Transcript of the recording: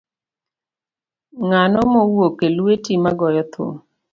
Ngano mowuok e lueti magoyo thum.